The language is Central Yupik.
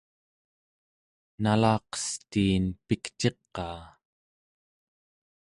nalaqestiin pikciqaa